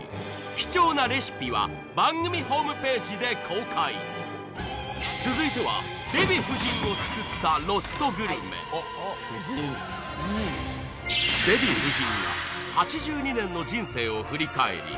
貴重なレシピは番組ホームページで公開続いてはデヴィ夫人を救ったロストグルメデヴィ夫人が８２年の人生を振り返り